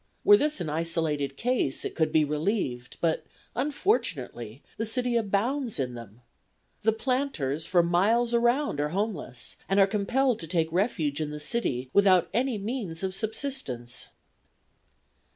Were this an isolated case, it could be relieved, but, unfortunately, the city abounds in them. The planters for miles around are homeless, and are compelled to take refuge in the city without any means of subsistence."